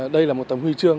đây là một tầm huy chương